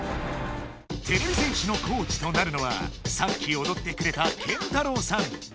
てれび戦士のコーチとなるのはさっきおどってくれたＫＥＮＴＡＲＡＷさん！